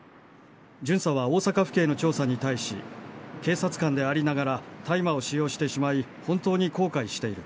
巡査は大阪府警の調査に対し警察官でありながら大麻を使用してしまい本当に後悔している。